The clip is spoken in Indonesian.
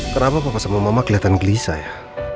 kenapa bapak sama mama kelihatan gelisah ya